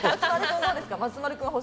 松丸君は？